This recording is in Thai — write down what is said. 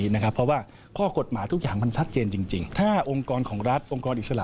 ในกฎพรึยเขาต้องเอาคุณสอสอ